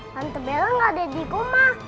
tante bella enggak ada di rumah